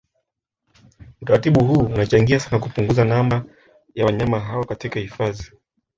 Utaratibu huu unachangia sana kupunguza namba ya wanyama hao katika hifadhi